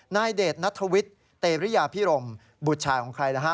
ณเดชนัททวิทย์เตรียพิรมบุษชายของใครคะ